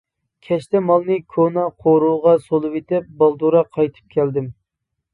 كەچتە مالنى كونا قورۇغا سولىۋېتىپ بالدۇرراق قايتىپ كەلدىم.